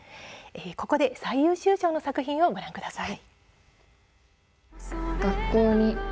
ここで最優秀賞の作品をご覧ください。